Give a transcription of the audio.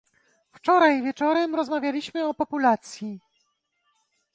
Wczoraj wieczorem rozmawialiśmy o populacji